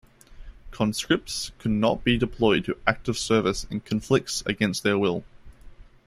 Conscripts could not be deployed to active service in conflicts against their will.